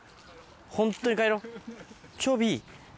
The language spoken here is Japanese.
ホントに帰ろうちょび。